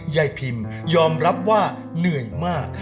ยายพิมยอมรับว่าเหนื่อยมาก